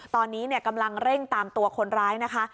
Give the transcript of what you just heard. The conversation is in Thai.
ตอนนี้กำลังเร่งตามตัวคนร้ายนะคะ